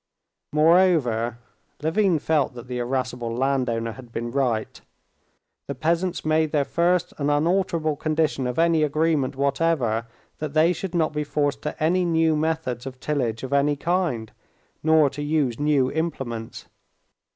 Moreover (Levin felt that the irascible landowner had been right) the peasants made their first and unalterable condition of any agreement whatever that they should not be forced to any new methods of tillage of any kind, nor to use new implements.